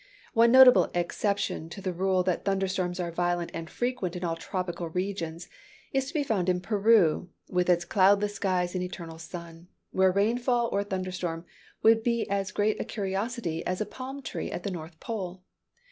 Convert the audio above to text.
One notable exception to the rule that thunder storms are violent and frequent in all tropical regions is to be found in Peru, with its cloudless skies and eternal sun, where a rainfall or a thunder storm would be as great a curiosity as a palm tree at the north pole.